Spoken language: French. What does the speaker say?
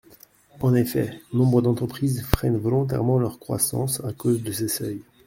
En effet, nombre d’entreprises freinent volontairement leur croissance à cause de ces seuils.